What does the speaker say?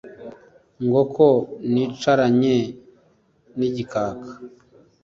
Ngo: ko nicaranye n'igikaka